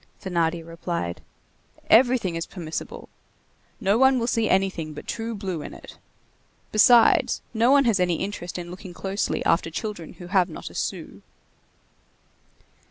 Thénardier replied: "Everything is permissible. No one will see anything but true blue in it. Besides, no one has any interest in looking closely after children who have not a sou."